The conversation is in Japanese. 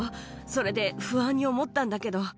それで不安に思ったんだけど。